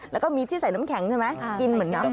แล้วก็มีที่ใส่น้ำแข็งใช่ไหมกินเหมือนน้ำ